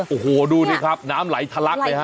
โอ้โหดูสิครับน้ำไหลทะลักเลยฮ